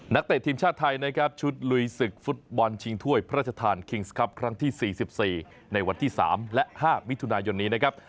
เตะทีมชาติไทยนะครับชุดลุยศึกฟุตบอลชิงถ้วยพระราชทานคิงส์ครับครั้งที่๔๔ในวันที่๓และ๕มิถุนายนนี้นะครับ